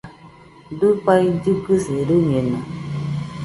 Dafai kɨkɨsi rɨñeno